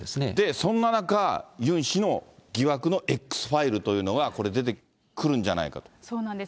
そんな中、ユン氏の疑惑のＸファイルというのがこれ、出てくるんじゃないかそうなんです。